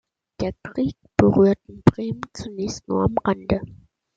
Der Krieg berührte Bremen zunächst nur am Rande.